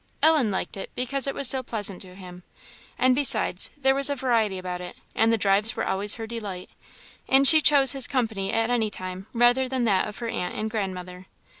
Ellen liked it, because it was so pleasant to him; and besides, there was a variety about it, and the drives were always her delight, and she chose his company at any time rather than that of her aunt and grandmother.